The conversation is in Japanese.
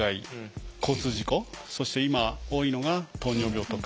そして今多いのが糖尿病とか。